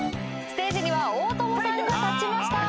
ステージには大友さんが立ちました。